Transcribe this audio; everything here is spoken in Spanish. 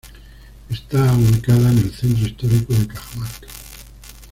Está ubicada en el Centro Histórico de Cajamarca.